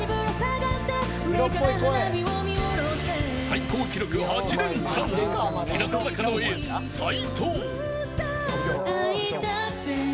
最高記録８レンチャン日向坂のエース齊藤。